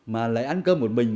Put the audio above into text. mà lại ăn cơm một mình